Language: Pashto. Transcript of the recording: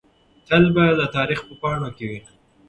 تل به د تاریخ په پاڼو کې وي.